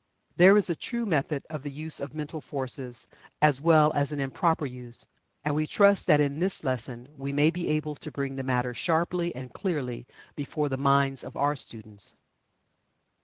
There is a true method of the use of mental forces, as well as an improper use, and we trust that in this lesson we may be able to bring the matter sharply and clearly before the minds of our students.